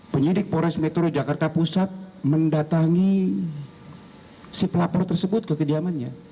penyidik polres metro jakarta pusat mendatangi si pelapor tersebut ke kediamannya